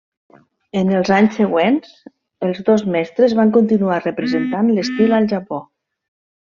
En els anys següents els dos mestres van continuar representant l'estil al Japó.